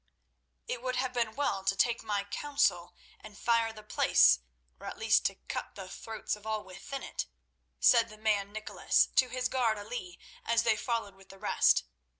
"It would have been well to take my counsel and fire the place, or at least to cut the throats of all within it," said the man Nicholas to his guard Ali as they followed with the rest.